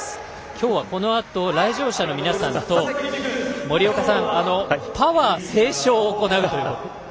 今日はこのあと来場者の皆さんと、森岡さんパワー斉唱を行うという。